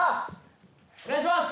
・お願いします！